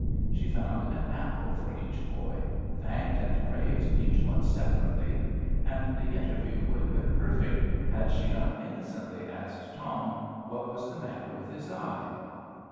She found an apple for each boy, thanked and praised each one separately; and the interview would have been perfect, had she not innocently asked Tom what was the matter with his eye.